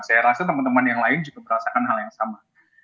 saya rasa teman teman yang lain juga merasakan hal yang sama